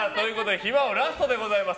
暇王、ラストでございます。